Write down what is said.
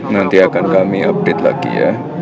nanti akan kami update lagi ya